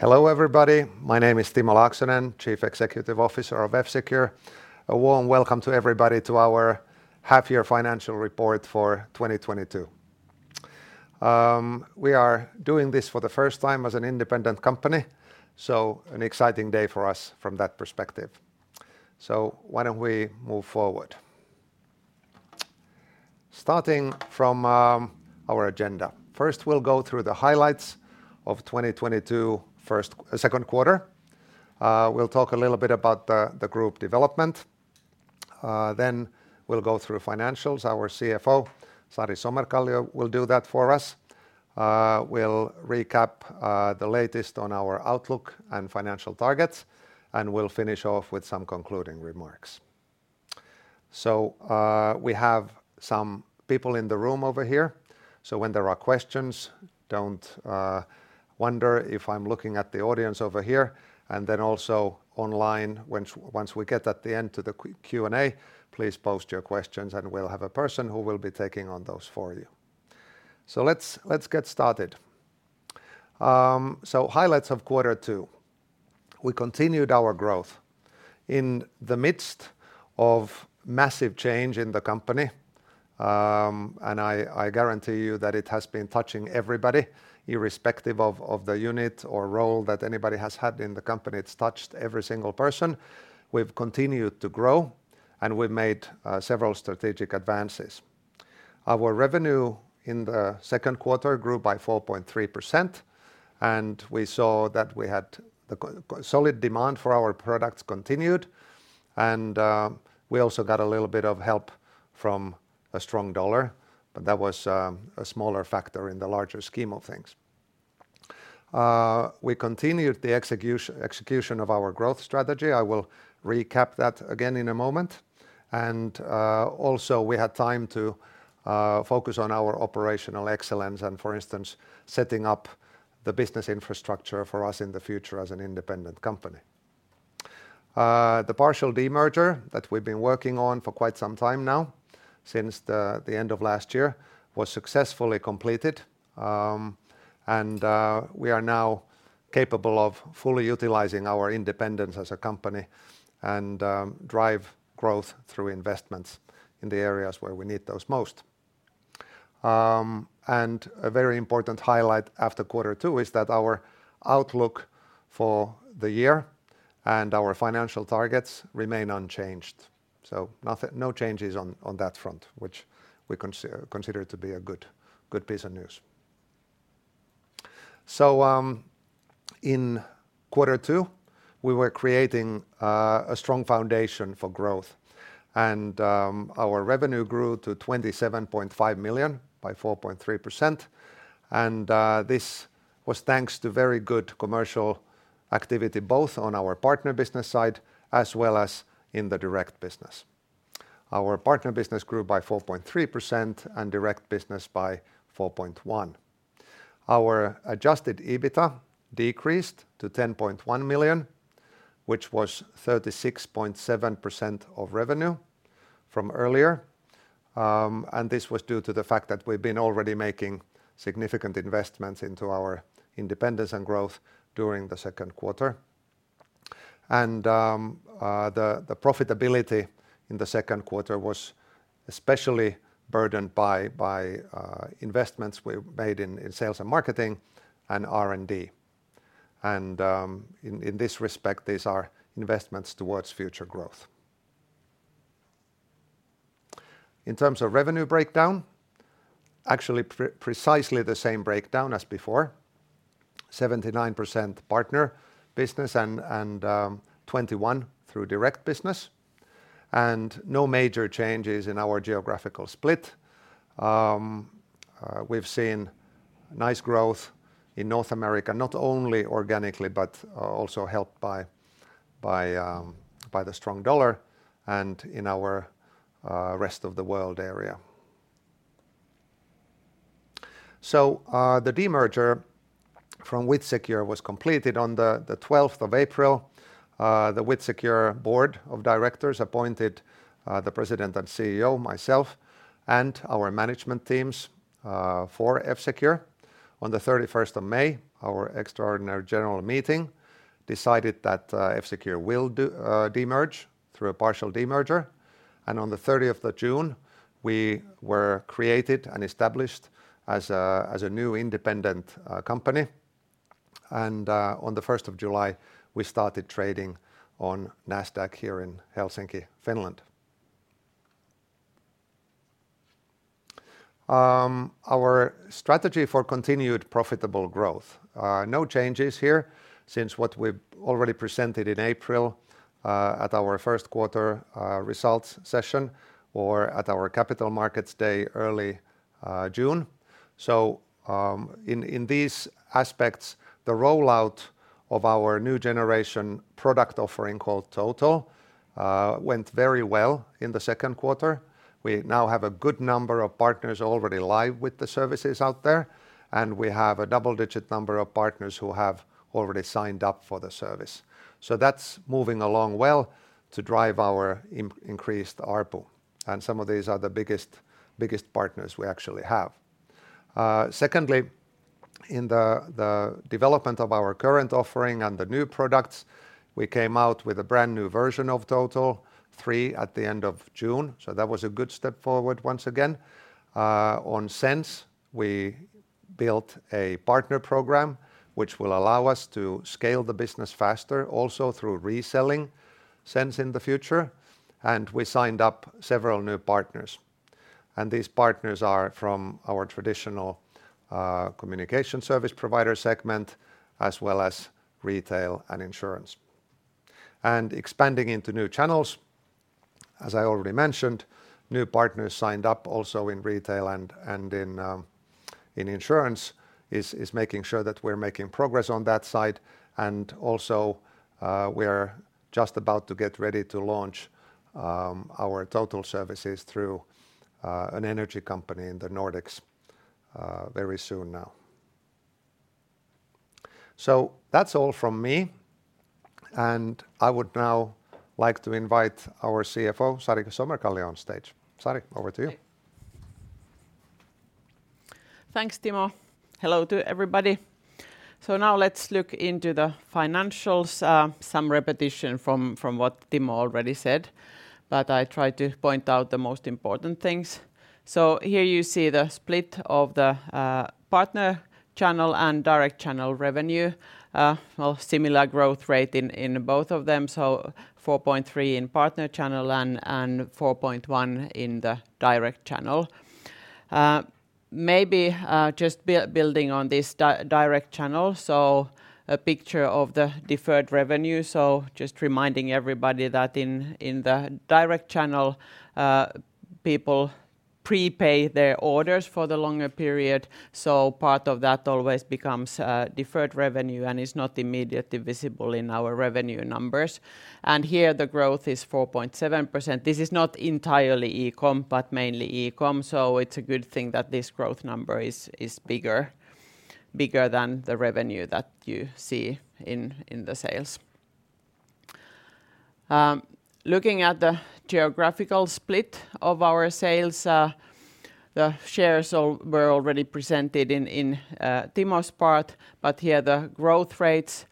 Hello, everybody. My name is Timo Laaksonen, Chief Executive Officer of F-Secure. A warm welcome to everybody to our half-year financial report for 2022. We are doing this for the first time as an independent company, so an exciting day for us from that perspective. Why don't we move forward? Starting from our agenda. First, we'll go through the highlights of 2022 first second quarter. We'll talk a little bit about the group development. Then we'll go through financials. Our CFO, Sari Somerkallio, will do that for us. We'll recap the latest on our outlook and financial targets, and we'll finish off with some concluding remarks. We have some people in the room over here, so when there are questions, don't wonder if I'm looking at the audience over here. Then also online, once we get at the end to the Q&A, please post your questions, and we'll have a person who will be taking on those for you. Let's get started. Highlights of quarter two. We continued our growth in the midst of massive changes in the company, and I guarantee you that it has been touching everybody irrespective of the unit or role that anybody has had in the company. It's touched every single person. We've continued to grow, and we've made several strategic advances. Our revenue in the second quarter grew by 4.3%, and we saw that we had quite solid demand for our products continued, and we also got a little bit of help from a strong dollar, but that was a smaller factor in the larger scheme of things. We continued the execution of our growth strategy. I will recap that again in a moment. Also, we had time to focus on our operational excellence and, for instance, setting up the business infrastructure for us in the future as an independent company. The partial demerger that we've been working on for quite some time now, since the end of last year, was successfully completed, and we are now capable of fully utilizing our independence as a company and drive growth through investments in the areas where we need those most. A very important highlight after quarter two is that our outlook for the year and our financial targets remain unchanged. No changes on that front, which we consider to be a good piece of news. In quarter two, we were creating a strong foundation for growth, and our revenue grew to 27.5 million by 4.3%. This was thanks to very good commercial activity, both on our partner business side as well as in the direct business. Our partner business grew by 4.3% and direct business by 4.1%. Our adjusted EBITA decreased to 10.1 million, which was 36.7% of revenue from earlier, and this was due to the fact that we've been already making significant investments into our independence and growth during the second quarter. The profitability in the second quarter was especially burdened by investments we made in sales and marketing and R&D. In this respect, these are investments towards future growth. In terms of revenue breakdown, actually precisely the same breakdown as before. 79% partner business and 21% direct business. No major changes in our geographical split. We've seen nice growth in North America, not only organically, but also helped by the strong dollar and in our rest of the world area. The demerger from WithSecure was completed on the twelfth of April. The WithSecure board of directors appointed the President and CEO, myself, and our management teams for F-Secure. On the thirty-first of May, our extraordinary general meeting decided that F-Secure will do demerge through a partial demerger. On the thirtieth of June, we were created and established as a new independent company. On the first of July, we started trading on Nasdaq Helsinki. Our strategy for continued profitable growth. No changes here since what we've already presented in April at our first quarter results session or at our capital markets day early June. In these aspects, the rollout of our new generation product offering called Total went very well in the second quarter. We now have a good number of partners already live with the services out there, and we have a double-digit number of partners who have already signed up for the service. That's moving along well to drive our increased ARPU, and some of these are the biggest partners we actually have. In the development of our current offering and the new products, we came out with a brand-new version of TOTAL three at the end of June. That was a good step forward once again. On Sense, we built a partner program which will allow us to scale the business faster also through reselling Sense in the future, and we signed up several new partners. These partners are from our traditional communication service provider segment as well as retail and insurance. Expanding into new channels, as I already mentioned, new partners signed up also in retail and in insurance is making sure that we're making progress on that side. We're just about to get ready to launch our Total services through an energy company in the Nordics very soon now. That's all from me, and I would now like to invite our CFO, Sari Somerkallio, on stage. Sari, over to you. Thanks, Timo. Hello to everybody. Now let's look into the financials, some repetition from what Timo already said, but I try to point out the most important things. Here you see the split of the partner channel and direct channel revenue. Well, similar growth rate in both of them, so 4.3% in partner channel and 4.1% in the direct channel. Maybe just building on this direct channel, a picture of the deferred revenue. Just reminding everybody that in the direct channel, people prepay their orders for the longer period, so part of that always becomes deferred revenue and is not immediately visible in our revenue numbers. Here the growth is 4.7%. This is not entirely e-com, but mainly e-com, so it's a good thing that this growth number is bigger than the revenue that you see in the sales. Looking at the geographical split of our sales, the shares were already presented in Timo's part. Here the growth rates,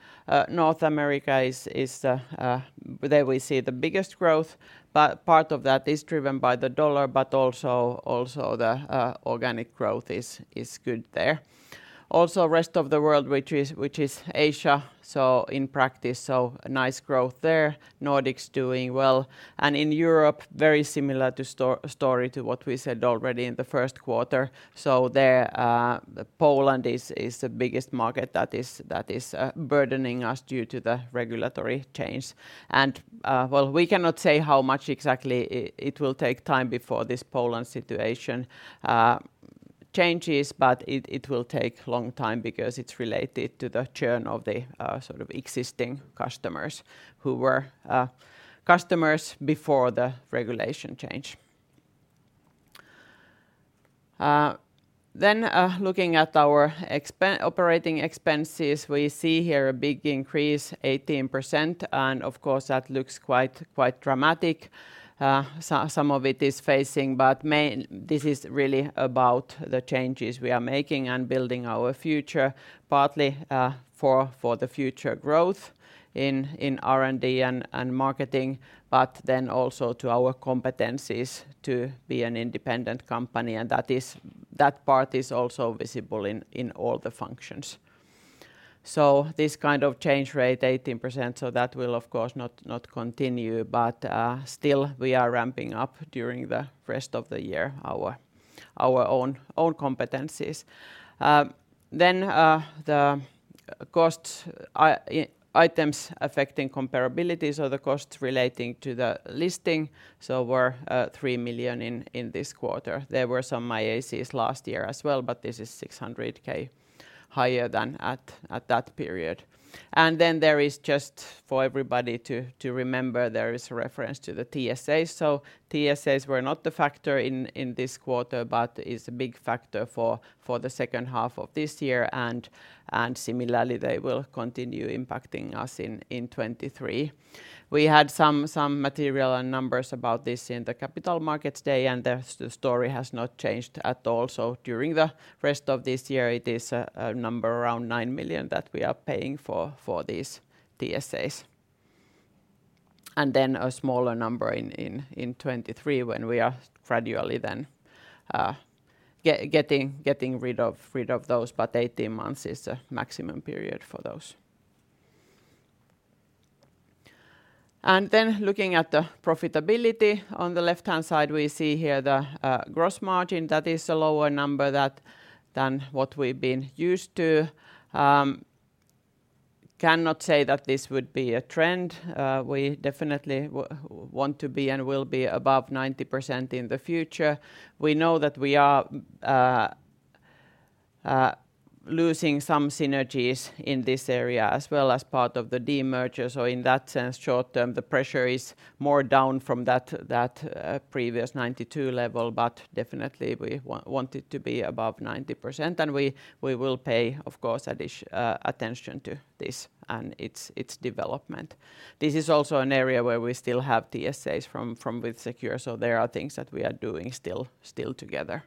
North America is there we see the biggest growth, but part of that is driven by the dollar, but also the organic growth is good there. Also rest of the world, which is Asia, so in practice, so nice growth there. Nordics doing well. In Europe, very similar to the story to what we said already in the first quarter. There, Poland is the biggest market that is burdening us due to the regulatory change. Well, we cannot say how much exactly it will take time before this Poland situation changes, but it will take long time because it's related to the churn of the sort of existing customers who were customers before the regulation change. Looking at our operating expenses, we see here a big increase, 18%, and of course, that looks quite dramatic. Some of it is phasing, but this is really about the changes we are making and building our future, partly for the future growth in R&D and marketing, but then also to our competencies to be an independent company, and that part is also visible in all the functions. This kind of change rate, 18%, so that will of course not continue. Still we are ramping up during the rest of the year our own competencies. The costs- Items Affecting Comparability, so the costs relating to the listing, so were 3 million in this quarter. There were some IACs last year as well, but this is 600K higher than at that period. There is just for everybody to remember, there is a reference to the TSAs. TSAs were not the factor in this quarter, but is a big factor for the second half of this year, and similarly they will continue impacting us in 2023. We had some material and numbers about this in the Capital Markets Day, and the story has not changed at all. During the rest of this year, it is a number around 9 million that we are paying for these TSAs. A smaller number in 2023 when we are gradually getting rid of those, but 18 months is the maximum period for those. Looking at the profitability, on the left-hand side, we see here the gross margin. That is a lower number than what we've been used to. Cannot say that this would be a trend. We definitely want to be and will be above 90% in the future. We know that we are losing some synergies in this area as well as part of the demerger. In that sense, short term, the pressure is more down from that previous 92 level, but definitely we want it to be above 90%, and we will pay, of course, additional attention to this and its development. This is also an area where we still have TSAs from WithSecure, so there are things that we are doing still together.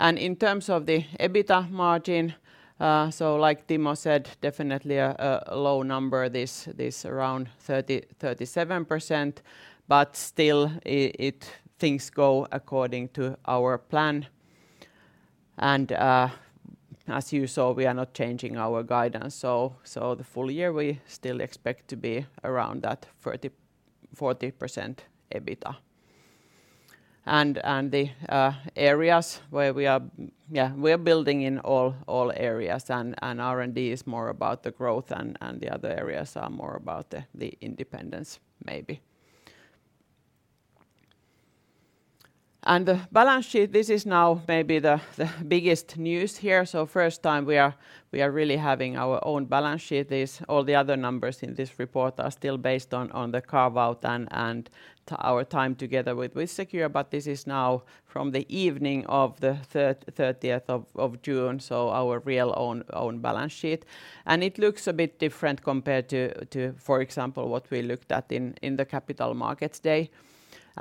In terms of the EBITDA margin, like Timo said, definitely a low number, this is around 30-37%. Still, things go according to our plan. As you saw, we are not changing our guidance. The full year we still expect to be around that 40% EBITDA. The areas where we are Yeah, we're building in all areas and R&D is more about the growth and the other areas are more about the independence maybe. The balance sheet, this is now maybe the biggest news here. First time we are really having our own balance sheet. All the other numbers in this report are still based on the carve-out and to our time together with WithSecure. This is now from the evening of the thirtieth of June, so our real own balance sheet. It looks a bit different compared to, for example, what we looked at in the Capital Markets Day.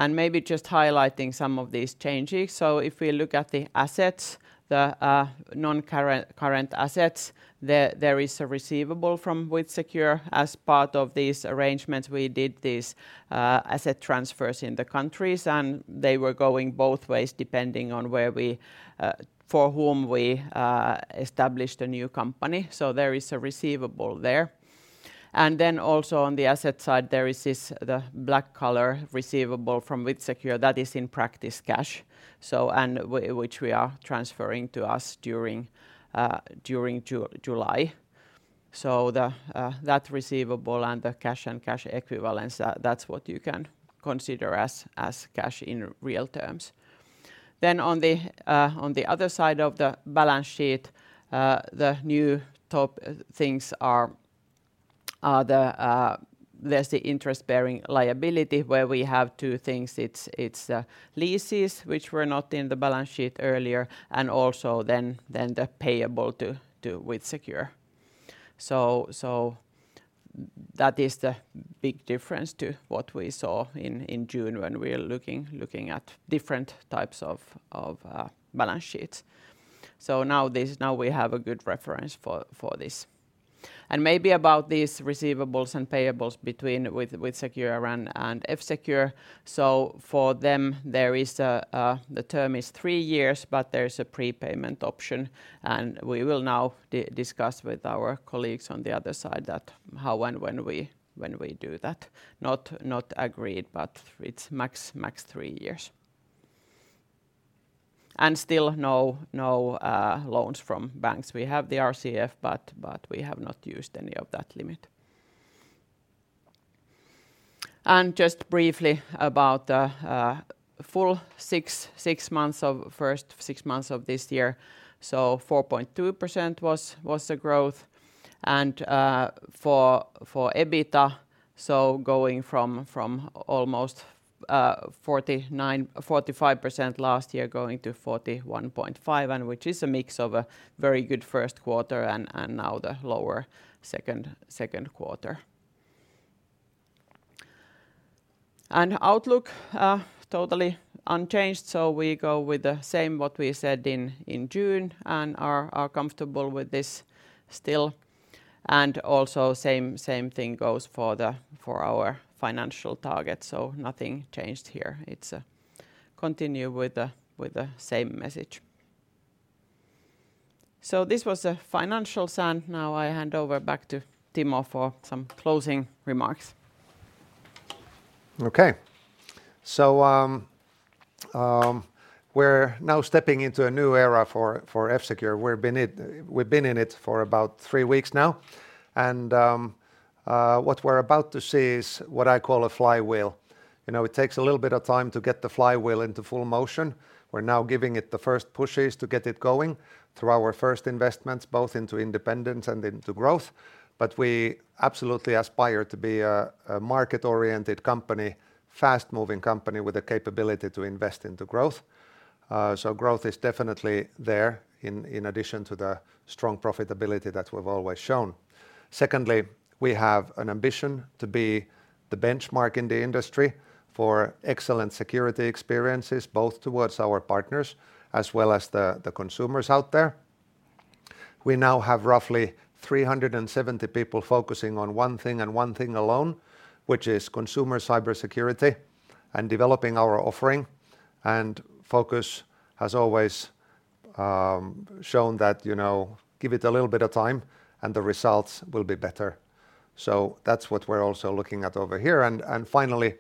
Maybe just highlighting some of these changes. If we look at the assets, the non-current assets, there is a receivable from WithSecure. As part of this arrangement, we did this asset transfers in the countries, and they were going both ways depending on where we for whom we established a new company. There is a receivable there. Then also on the asset side, there is the blocked collateral receivable from WithSecure that is in practice cash and which we are transferring to us during July. That receivable and the cash and cash equivalents that's what you can consider as cash in real terms. Then on the other side of the balance sheet, the new items are the interest-bearing liability where we have two things. It's leases which were not in the balance sheet earlier and also then the payable to WithSecure. That is the big difference to what we saw in June when we are looking at different types of balance sheets. Now we have a good reference for this. Maybe about these receivables and payables between WithSecure and F-Secure. For them, there is a term of three years, but there's a prepayment option, and we will now discuss with our colleagues on the other side how and when we do that. Not agreed, but it's max three years. Still no loans from banks. We have the RCF, but we have not used any of that limit. Just briefly about the first six months of this year. 4.2% was the growth. For EBITDA, going from almost 45% last year to 41.5%, which is a mix of a very good first quarter and now the lower second quarter. Outlook totally unchanged. We go with the same what we said in June and are comfortable with this still. Also same thing goes for our financial targets. Nothing changed here. It's continue with the same message. This was the financial side. Now I hand over back to Timo for some closing remarks. Okay. We're now stepping into a new era for F-Secure. We've been in it for about three weeks now. What we're about to see is what I call a flywheel. You know, it takes a little bit of time to get the flywheel into full motion. We're now giving it the first pushes to get it going through our first investments, both into independence and into growth. We absolutely aspire to be a market-oriented company, fast-moving company with the capability to invest into growth. Growth is definitely there in addition to the strong profitability that we've always shown. Secondly, we have an ambition to be the benchmark in the industry for excellent security experiences, both towards our partners as well as the consumers out there. We now have roughly 370 people focusing on one thing, and one thing alone, which is consumer cybersecurity and developing our offering. Focus has always shown that, you know, give it a little bit of time, and the results will be better. That's what we're also looking at over here. Finally,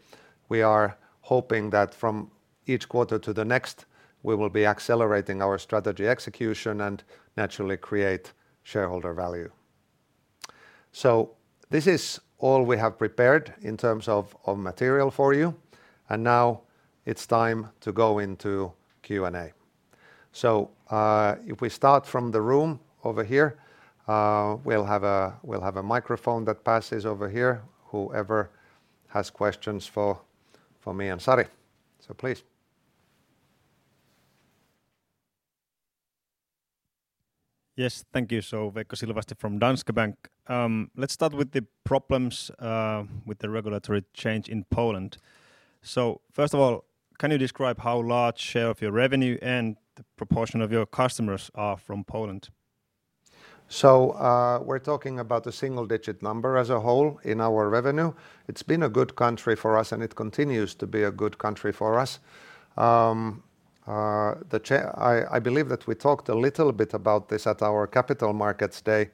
we are hoping that from each quarter to the next, we will be accelerating our strategy execution and naturally create shareholder value. This is all we have prepared in terms of material for you, and now it's time to go into Q&A. If we start from the room over here, we'll have a microphone that passes over here, whoever has questions for me and Sari. Please. Yes. Thank you. Veikko Silvasti from Danske Bank. Let's start with the problems with the regulatory change in Poland. First of all, can you describe how large share of your revenue and the proportion of your customers are from Poland? We're talking about a single-digit number as a whole in our revenue. It's been a good country for us, and it continues to be a good country for us. I believe that we talked a little bit about this at our capital markets day.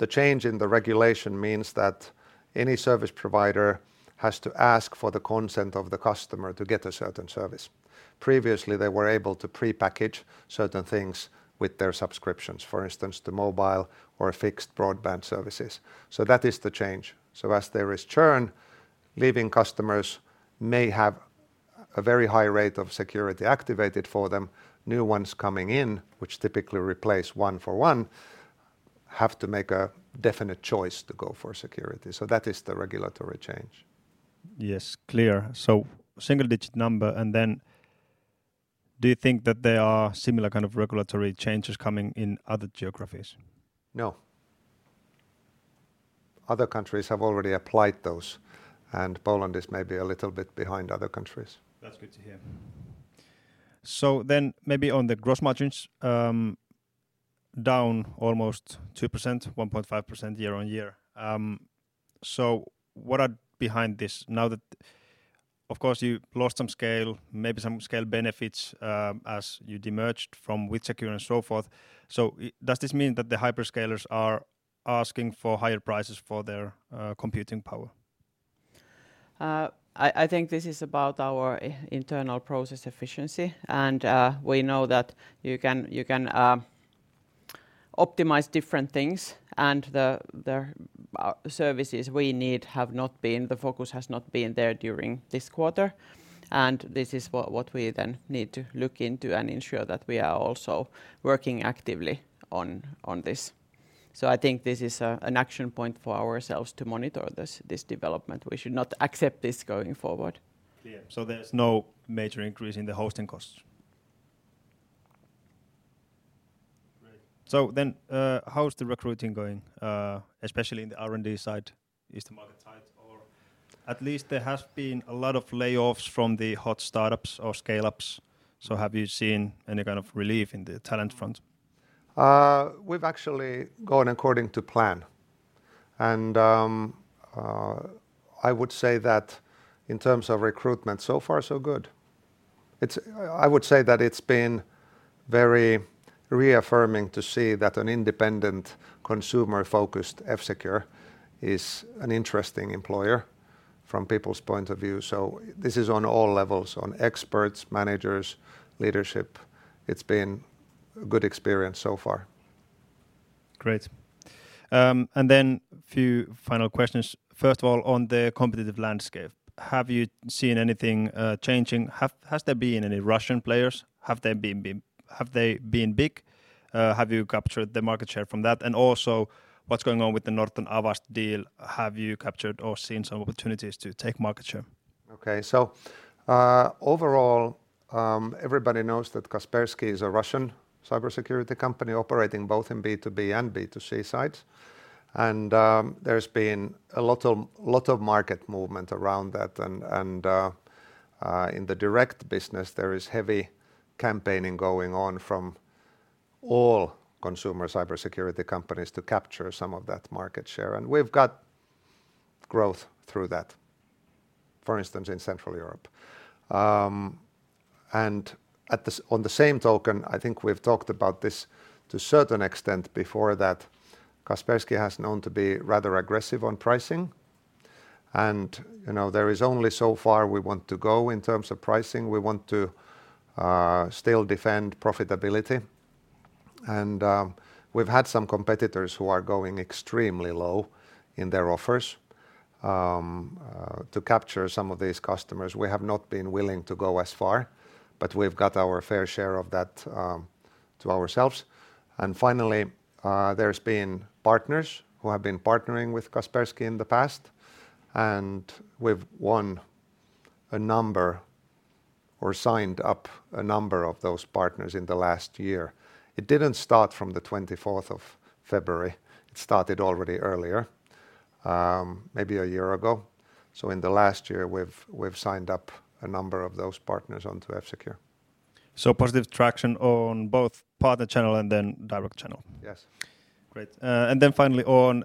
The change in the regulation means that any service provider has to ask for the consent of the customer to get a certain service. Previously, they were able to prepackage certain things with their subscriptions, for instance, the mobile or fixed broadband services. That is the change. As there is churn, leaving customers may have a very high rate of security activated for them. New ones coming in, which typically replace one for one, have to make a definite choice to go for security. That is the regulatory change. Yes. Clear. Single-digit number, and then do you think that there are similar kind of regulatory changes coming in other geographies? No. Other countries have already applied those, and Poland is maybe a little bit behind other countries. That's good to hear. Maybe on the gross margins, down almost 2%, 1.5% year-on-year. What's behind this now that of course you lost some scale, maybe some scale benefits, as you demerged from WithSecure and so forth. Does this mean that the hyperscalers are asking for higher prices for their computing power? I think this is about our internal process efficiency and we know that you can optimize different things and the focus has not been there during this quarter, and this is what we then need to look into and ensure that we are also working actively on this. I think this is an action point for ourselves to monitor this development. We should not accept this going forward. Yeah. There's no major increase in the hosting costs? Great. How is the recruiting going, especially in the R&D side? Is the market tight or at least there has been a lot of layoffs from the hot startups or scale-ups. Have you seen any kind of relief in the talent front? We've actually gone according to plan. I would say that in terms of recruitment, so far so good. I would say that it's been very reaffirming to see that an independent consumer-focused F-Secure is an interesting employer from people's point of view. This is on all levels, on experts, managers, leadership. It's been a good experience so far. Great. Few final questions. First of all, on the competitive landscape, have you seen anything changing? Has there been any Russian players? Have they been big? Have you captured the market share from that? Also, what's going on with the NortonLifeLock Avast deal? Have you captured or seen some opportunities to take market share? Okay. Overall, everybody knows that Kaspersky is a Russian cybersecurity company operating both in B2B and B2C sides. There's been a lot of market movement around that. In the direct business, there is heavy campaigning going on from all consumer cybersecurity companies to capture some of that market share. We've got growth through that, for instance, in Central Europe. On the same token, I think we've talked about this to a certain extent before that Kaspersky has known to be rather aggressive on pricing. You know, there is only so far we want to go in terms of pricing. We want to still defend profitability. We've had some competitors who are going extremely low in their offers to capture some of these customers. We have not been willing to go as far, but we've got our fair share of that to ourselves. Finally, there's been partners who have been partnering with Kaspersky in the past, and we've won a number or signed up a number of those partners in the last year. It didn't start from the twenty-fourth of February. It started already earlier, maybe a year ago. In the last year, we've signed up a number of those partners onto F-Secure. Positive traction on both partner channel and then direct channel? Yes. Great. And then finally on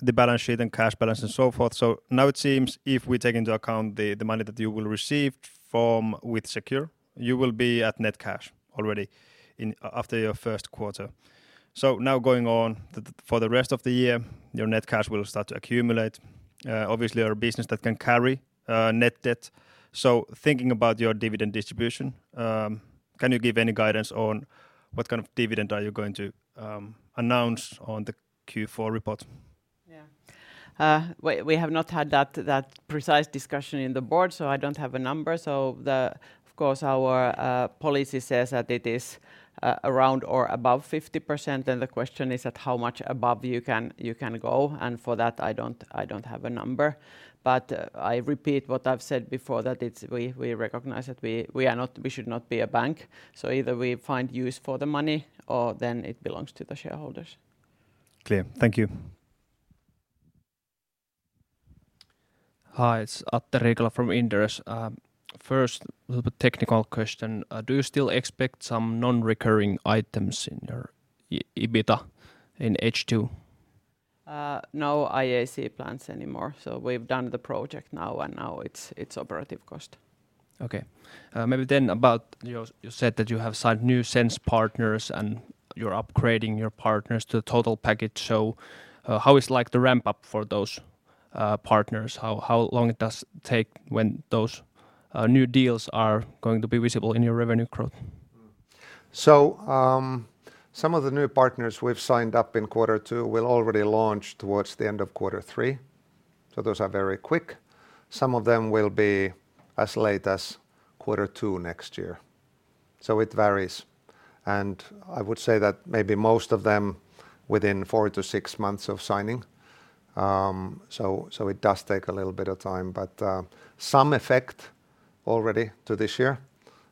the balance sheet and cash balance and so forth. Now it seems if we take into account the money that you will receive from WithSecure, you will be at net cash already after your first quarter. Now going on for the rest of the year, your net cash will start to accumulate. Obviously you're a business that can carry net debt. Thinking about your dividend distribution, can you give any guidance on what kind of dividend you are going to announce on the Q4 report? Yeah. We have not had that precise discussion in the board, so I don't have a number. Of course, our policy says that it is around or above 50%, and the question is at how much above you can go, and for that, I don't have a number. I repeat what I've said before, that we recognize that we should not be a bank. Either we find use for the money or then it belongs to the shareholders. Clear. Thank you. Hi, it's Atte Riikola from Inderes. First, little bit technical question. Do you still expect some non-recurring items in your EBITDA in H2? No IAC plans anymore, so we've done the project now, and now it's operating cost. You said that you have signed new Sense partners and you're upgrading your partners to the Total package. How is like the ramp up for those partners? How long it does take when those new deals are going to be visible in your revenue growth? Some of the new partners we've signed up in quarter two will already launch towards the end of quarter three, so those are very quick. Some of them will be as late as quarter two next year, so it varies. I would say that maybe most of them within four to six months of signing. It does take a little bit of time. Some effect already to this year,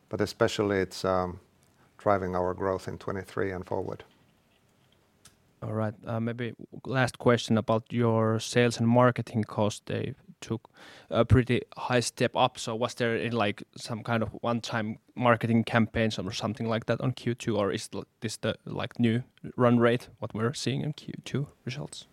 but especially it's driving our growth in 2023 and forward. All right. Maybe last question about your sales and marketing cost. They took a pretty high step up, so was there a like some kind of one-time marketing campaigns or something like that on Q2? Or is this the like new run rate, what we're seeing in Q2 results?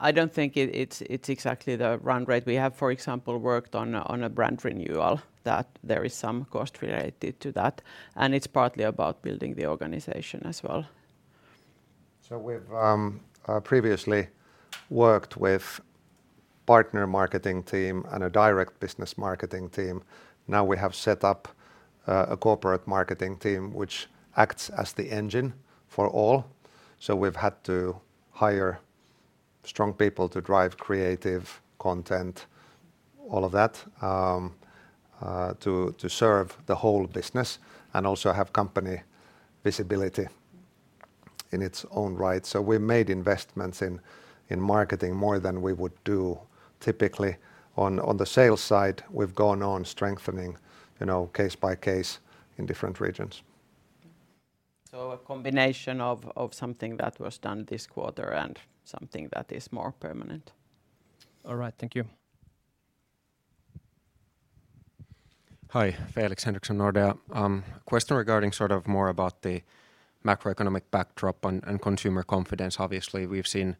I don't think it's exactly the run rate. We have, for example, worked on a brand renewal that there is some cost related to that, and it's partly about building the organization as well. We've previously worked with partner marketing team and a direct business marketing team. Now we have set up a corporate marketing team which acts as the engine for all. We've had to hire strong people to drive creative content, all of that, to serve the whole business and also have company visibility in its own right. We made investments in marketing more than we would do typically. On the sales side, we've gone on strengthening, you know, case by case in different regions. A combination of something that was done this quarter and something that is more permanent. All right. Thank you. Hi. Felix Henriksson, Nordea. Question regarding sort of more about the macroeconomic backdrop and consumer confidence. Obviously, we've seen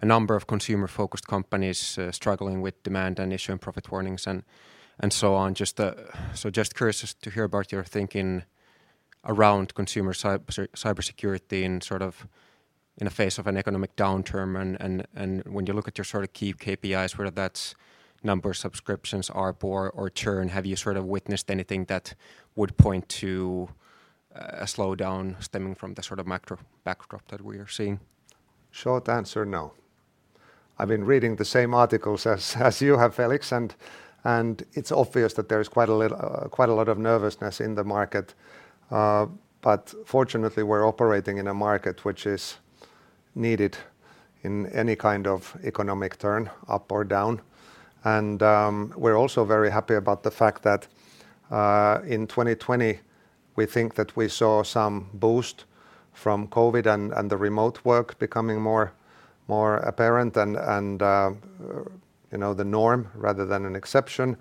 a number of consumer-focused companies struggling with demand and issuing profit warnings and so on. Just so just curious just to hear about your thinking around consumer cybersecurity and sort of in the face of an economic downturn. When you look at your sort of key KPIs, whether that's number of subscriptions, ARPU or churn, have you sort of witnessed anything that would point to a slowdown stemming from the sort of macro backdrop that we are seeing? Short answer, no. I've been reading the same articles as you have, Felix, and it's obvious that there is quite a lot of nervousness in the market. Fortunately, we're operating in a market which is needed in any kind of economic turn, up or down. We're also very happy about the fact that in 2020, we think that we saw some boost from COVID and the remote work becoming more apparent and you know, the norm rather than an exception.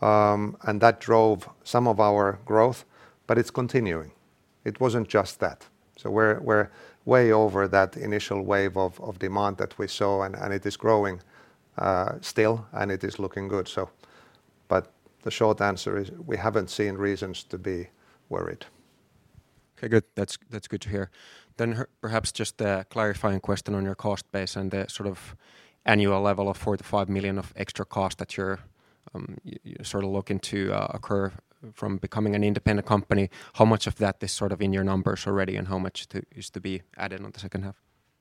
That drove some of our growth, but it's continuing. It wasn't just that. We're way over that initial wave of demand that we saw, and it is growing still, and it is looking good. The short answer is we haven't seen reasons to be worried. Okay, good. That's good to hear. Perhaps just a clarifying question on your cost base and the sort of annual level of 4-5 million of extra cost that you're sort of looking to incur from becoming an independent company. How much of that is sort of in your numbers already, and how much is to be added on the second half?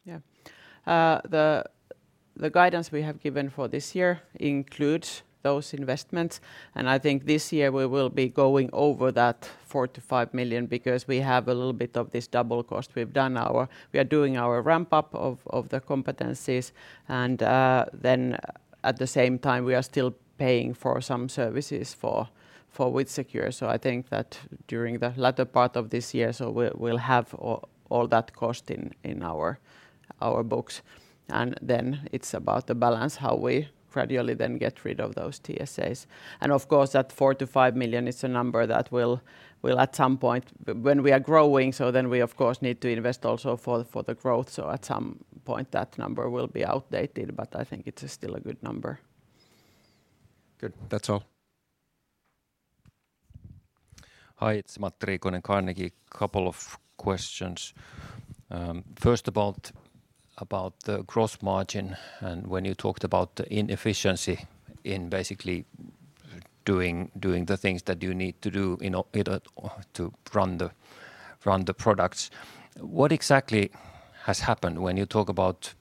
Yeah. The guidance we have given for this year includes those investments, and I think this year we will be going over that 4-5 million because we have a little bit of this double cost. We are doing our ramp up of the competencies and then at the same time we are still paying for some services for WithSecure. I think that during the latter part of this year, so we'll have all that cost in our books. It's about the balance, how we gradually then get rid of those TSAs. Of course, that 4-5 million is a number that will at some point when we are growing, so then we of course need to invest also for the growth. At some point that number will be outdated, but I think it is still a good number. Good. That's all. Hi, it's Matti Riikonen, Carnegie. Couple of questions. First about the gross margin and when you talked about the inefficiency in basically doing the things that you need to do in either to run the products. What exactly has happened when you talk about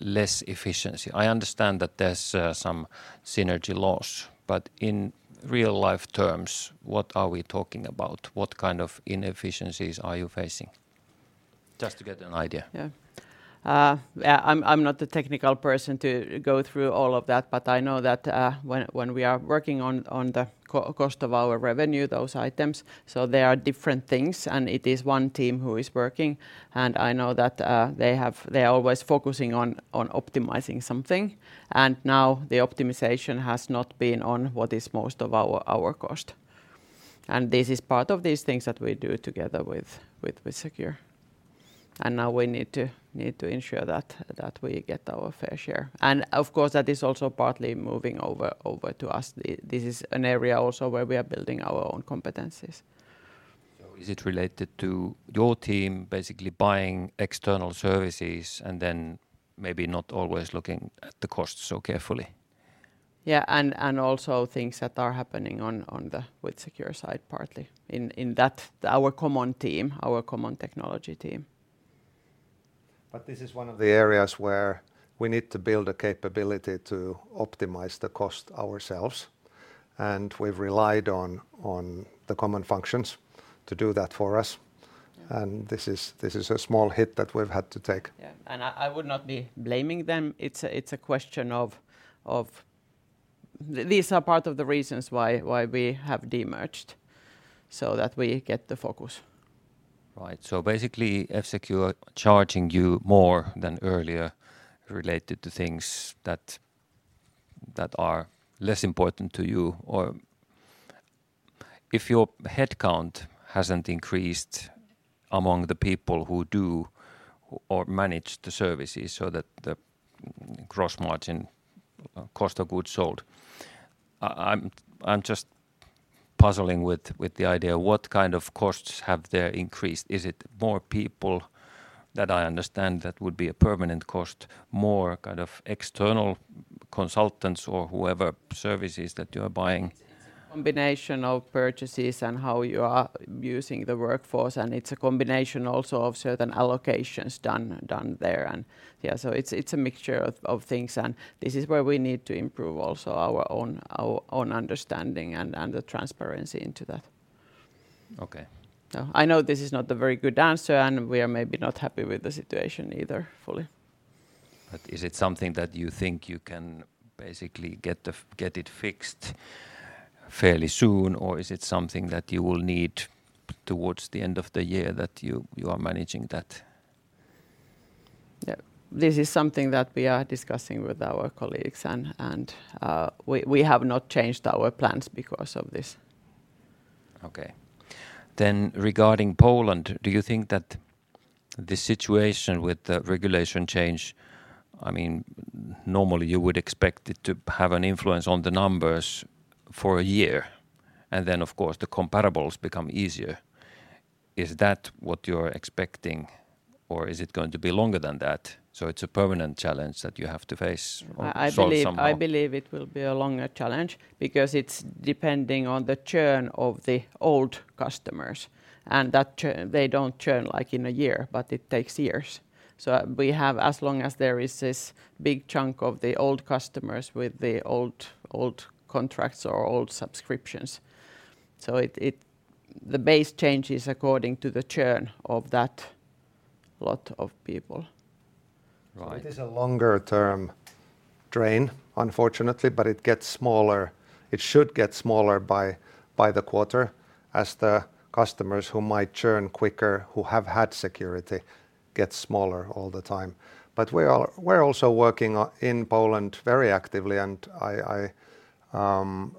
less efficiency? I understand that there's some synergy loss, but in real-life terms, what are we talking about? What kind of inefficiencies are you facing? Just to get an idea. Yeah. Yeah, I'm not the technical person to go through all of that, but I know that when we are working on the cost of our revenue, those items, so they are different things, and it is one team who is working. I know that they have. They are always focusing on optimizing something, and now the optimization has not been on what is most of our cost. This is part of these things that we do together with Secure. Now we need to ensure that we get our fair share. Of course, that is also partly moving over to us. This is an area also where we are building our own competencies. Is it related to your team basically buying external services and then maybe not always looking at the cost so carefully? Yeah. Also things that are happening on the WithSecure side partly in that our common team, our common technology team. This is one of the areas where we need to build a capability to optimize the cost ourselves, and we've relied on the common functions to do that for us. Yeah. This is a small hit that we've had to take. Yeah. I would not be blaming them. It's a question of these are part of the reasons why we have de-merged so that we get the focus. Right. Basically, F-Secure charging you more than earlier related to things that are less important to you or if your headcount hasn't increased among the people who do or manage the services so that the gross margin cost of goods sold. I'm just puzzling with the idea what kind of costs have there increased. Is it more people that I understand that would be a permanent cost, more kind of external consultants or whatever services that you are buying? It's a combination of purchases and how you are using the workforce, and it's a combination also of certain allocations done there and yeah. It's a mixture of things, and this is where we need to improve also our own understanding and the transparency into that. Okay. I know this is not a very good answer, and we are maybe not happy with the situation either fully. Is it something that you think you can basically get it fixed fairly soon, or is it something that you will need towards the end of the year that you are managing that? Yeah. This is something that we are discussing with our colleagues and we have not changed our plans because of this. Okay. Regarding Poland, do you think that the situation with the regulation change, I mean, normally you would expect it to have an influence on the numbers for a year, and then of course the comparables become easier. Is that what you're expecting or is it going to be longer than that, so it's a permanent challenge that you have to face or solve somehow? I believe it will be a longer challenge because it's depending on the churn of the old customers, and that they don't churn, like, in a year, but it takes years. We have as long as there is this big chunk of the old customers with the old contracts or old subscriptions. The base changes according to the churn of that lot of people. Right. It is a longer-term drain, unfortunately, but it gets smaller. It should get smaller by the quarter as the customers who might churn quicker who have had security get smaller all the time. We're also working in Poland very actively, and I trust the local team that we can also counter this and turn the tide through other measures. We're not just watching from the sidelines how there is a drain. There has been work going on very actively for the past 12-18 months to turn the tide, and we're looking forward to having good news on that front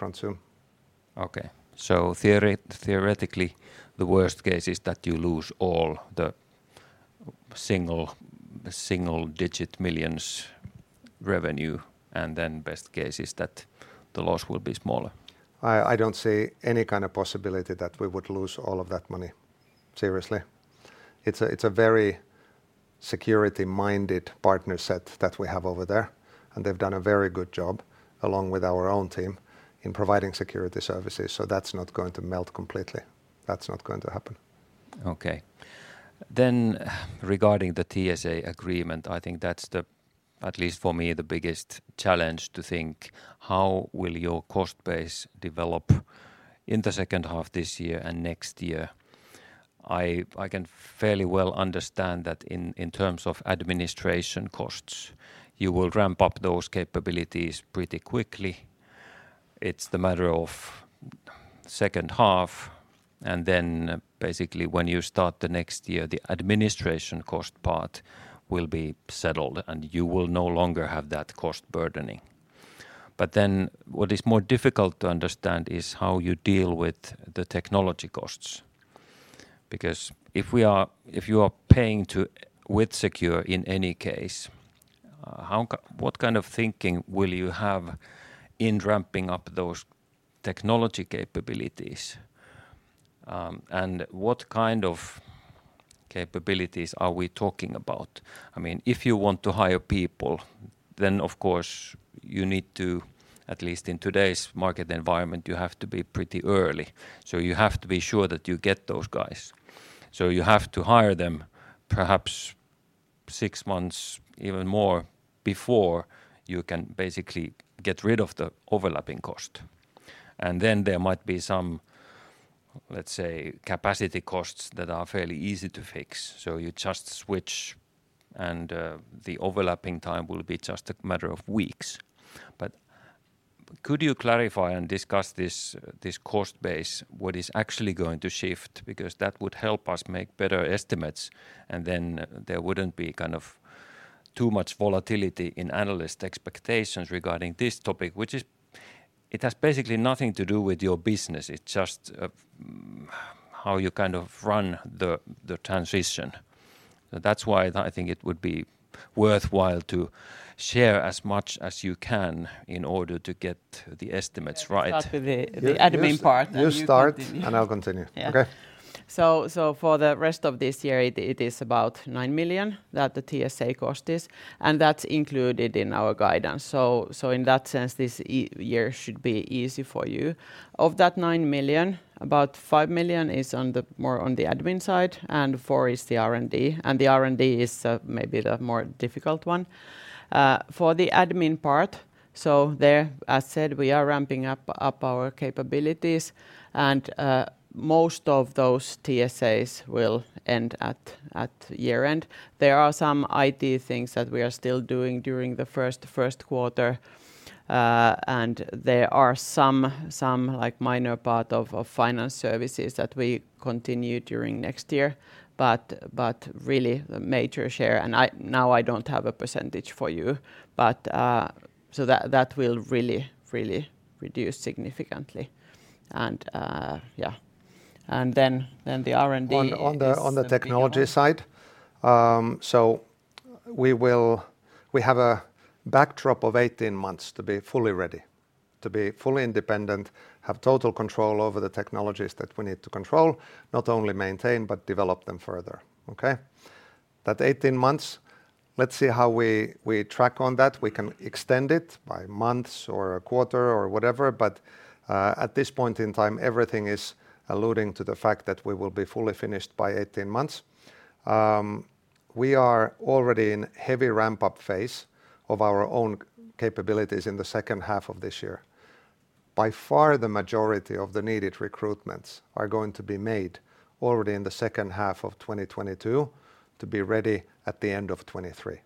soon. Okay. Theoretically, the worst case is that you lose all the single-digit million EUR revenue, and then best case is that the loss will be smaller. I don't see any kind of possibility that we would lose all of that money, seriously. It's a very security-minded partner set that we have over there, and they've done a very good job along with our own team in providing security services. That's not going to melt completely. That's not going to happen. Okay. Regarding the TSA agreement, I think that's the at least for me the biggest challenge to think how will your cost base develop in the second half this year and next year. I can fairly well understand that in terms of administration costs, you will ramp up those capabilities pretty quickly. It's the matter of second half, and then basically when you start the next year, the administration cost part will be settled, and you will no longer have that cost burdening. What is more difficult to understand is how you deal with the technology costs. Because if you are paying to WithSecure in any case, what kind of thinking will you have in ramping up those technology capabilities? What kind of capabilities are we talking about? I mean, if you want to hire people, then of course you need to, at least in today's market environment, you have to be pretty early. You have to be sure that you get those guys. You have to hire them perhaps six months, even more, before you can basically get rid of the overlapping cost. There might be some, let's say, capacity costs that are fairly easy to fix, so you just switch and, the overlapping time will be just a matter of weeks. Could you clarify and discuss this cost base, what is actually going to shift? Because that would help us make better estimates, and then there wouldn't be kind of too much volatility in analyst expectations regarding this topic, which is. It has basically nothing to do with your business. It's just how you kind of run the transition. That's why I think it would be worthwhile to share as much as you can in order to get the estimates right. Let me start with the admin part. You start. You continue. I'll continue. Yeah. Okay. For the rest of this year, it is about 9 million that the TSA cost is, and that's included in our guidance. In that sense, this year should be easy for you. Of that 9 million, about 5 million is more on the admin side, and 4 million is the R&D. The R&D is maybe the more difficult one. For the admin part, there, as said, we are ramping up our capabilities. Most of those TSAs will end at year-end. There are some IT things that we are still doing during the first quarter. There are some, like, minor part of finance services that we continue during next year. Really the major share, and I. Now I don't have a percentage for you, but, so that will really reduce significantly. Yeah. Then the R&D is- On the technology side, we have a backdrop of 18 months to be fully ready, to be fully independent, have total control over the technologies that we need to control, not only maintain, but develop them further. Okay? That 18 months, let's see how we track on that. We can extend it by months or a quarter or whatever. At this point in time, everything is alluding to the fact that we will be fully finished by 18 months. We are already in heavy ramp-up phase of our own capabilities in the second half of this year. By far, the majority of the needed recruitments are going to be made already in the second half of 2022 to be ready at the end of 2023.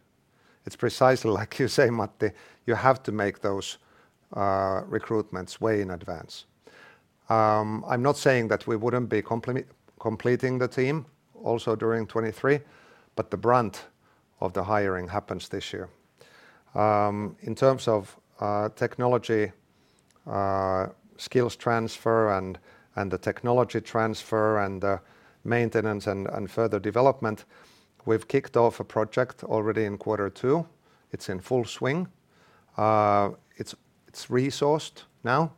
It's precisely like you say, Matti. You have to make those recruitments way in advance. I'm not saying that we wouldn't be completing the team also during 2023, but the brunt of the hiring happens this year. In terms of technology, skills transfer and the technology transfer and maintenance and further development, we've kicked off a project already in quarter two. It's in full swing. It's resourced now,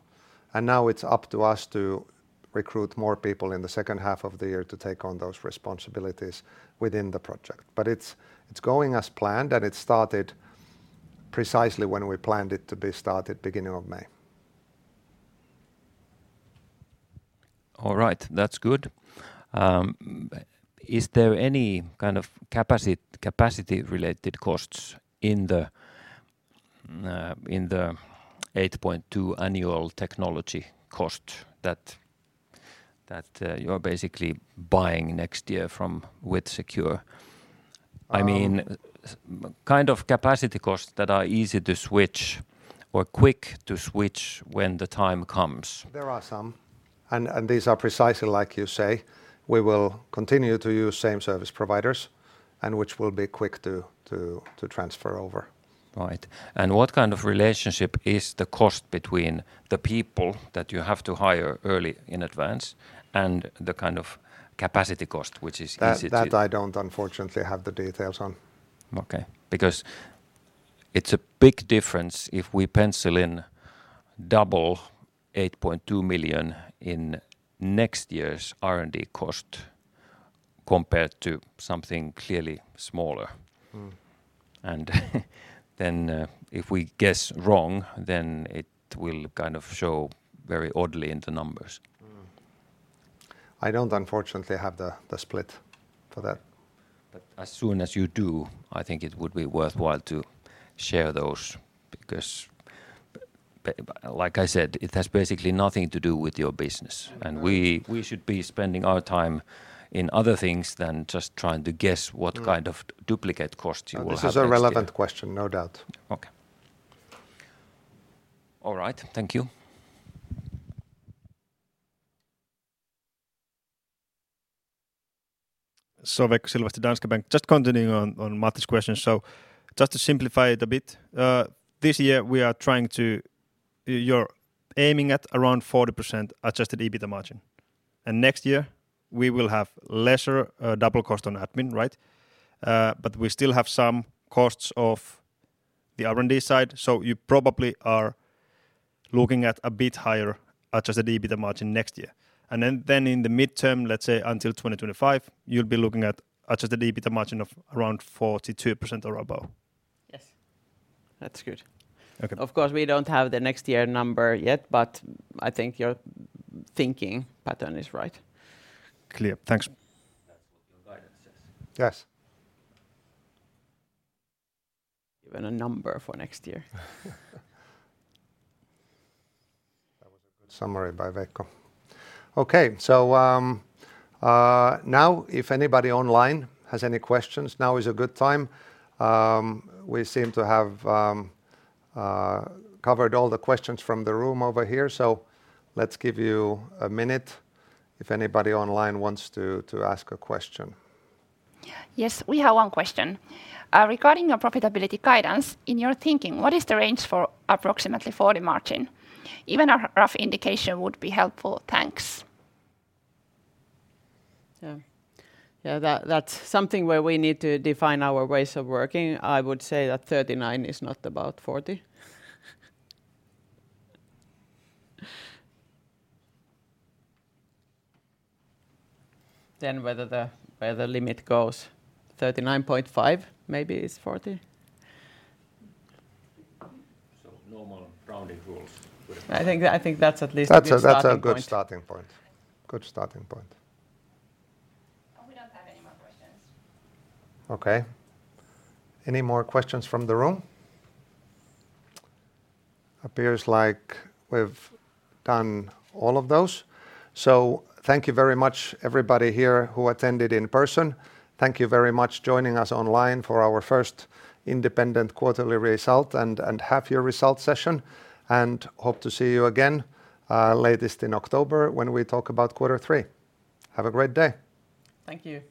and now it's up to us to recruit more people in the second half of the year to take on those responsibilities within the project. It's going as planned, and it started precisely when we planned it to be started, beginning of May. All right. That's good. Is there any kind of capacity-related costs in the 8.2 annual technology cost that you're basically buying next year from WithSecure? I mean, kind of capacity costs that are easy to switch or quick to switch when the time comes. There are some, and these are precisely like you say. We will continue to use same service providers and which we'll be quick to transfer over. Right. What kind of relationship is the cost between the people that you have to hire early in advance and the kind of capacity cost, which is easy to- That I don't unfortunately have the details on. Okay. Because it's a big difference if we pencil in double 8.2 million in next year's R&D cost compared to something clearly smaller. Mm. If we guess wrong, then it will kind of show very oddly in the numbers. I don't unfortunately have the split for that. As soon as you do, I think it would be worthwhile to share those because, like I said, it has basically nothing to do with your business. Right We should be spending our time in other things than just trying to guess. Mm What kind of duplicate costs you will have next year? This is a relevant question, no doubt. Okay. All right. Thank you. Veikko Silvasti, Danske Bank. Just continuing on Matti's question. Just to simplify it a bit, this year we are trying to. You're aiming at around 40% adjusted EBITDA margin. Next year, we will have lesser double cost on admin, right? But we still have some costs of the R&D side. You probably are looking at a bit higher adjusted EBITDA margin next year. Then in the midterm, let's say until 2025, you'll be looking at adjusted EBITDA margin of around 42% or above. Yes. That's good. Okay. Of course, we don't have the next year number yet, but I think your thinking pattern is right. Clear. Thanks. That's what your guidance says. Yes. Even a number for next year. That was a good summary by Veikko Silvasti. Okay. Now if anybody online has any questions, now is a good time. We seem to have covered all the questions from the room over here, so let's give you a minute if anybody online wants to ask a question. Yes, we have one question. Regarding your profitability guidance, in your thinking, what is the range for approximately 40% margin? Even a rough indication would be helpful. Thanks. Yeah. Yeah, that's something where we need to define our ways of working. I would say that 39 is not about 40. Whether the limit goes 39.5 maybe is 40. Normal rounding rules would apply. I think that's at least a good starting point. That's a good starting point. We don't have any more questions. Okay. Any more questions from the room? Appears like we've done all of those. Thank you very much everybody here who attended in person. Thank you very much joining us online for our first independent quarterly result and half year result session and hope to see you again, at the latest in October when we talk about quarter three. Have a great day. Thank you.